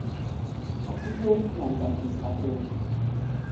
A futók nem behúzhatók.